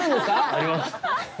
あります。